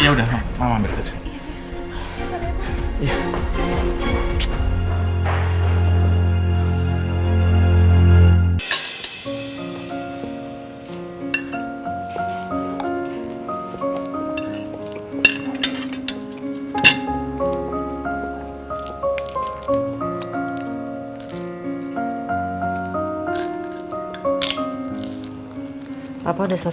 yaudah mama ambil tas dulu